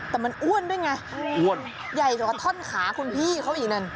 แต่มันอ้วนด้วยไงอ้วนใหญ่กว่าท่อนขาคุณพี่เขาอีกนั่น